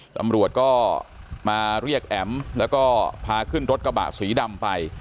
ตำรวจก็มาเรียกแอ๋มแล้วก็พาขึ้นรถกระบะสีดำไป